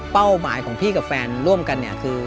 หมายของพี่กับแฟนร่วมกันเนี่ยคือ